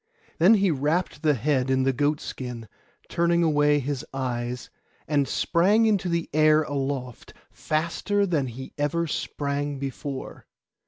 Then he wrapped the head in the goat skin, turning away his eyes, and sprang into the air aloft, faster than he ever sprang before.